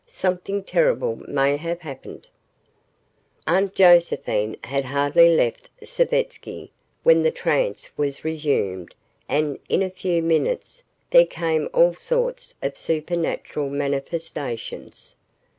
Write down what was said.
"Something terrible may have happened." ........ Aunt Josephine had hardly left Savetsky when the trance was resumed and, in a few minutes, there came all sorts of supernatural manifestations.